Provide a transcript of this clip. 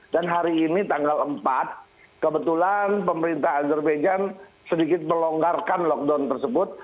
dan hari ini tanggal empat kebetulan pemerintah azerbaijan sedikit melonggarkan lockdown tersebut